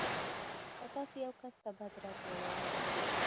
که تاسو يو کس ته بد رد وویل.